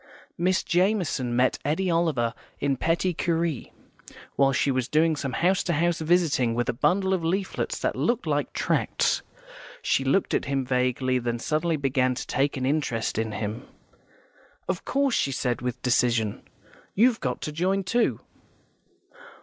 Miss Jamison met Eddy Oliver in Petty Cury, while she was doing some house to house visiting with a bundle of leaflets that looked like tracts. She looked at him vaguely, then suddenly began to take an interest in him. "Of course," she said, with decision, "you've got to join, too."